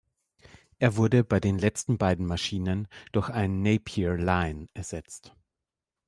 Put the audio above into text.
Er wurde bei den letzten beiden Maschinen durch einen Napier Lion ersetzt.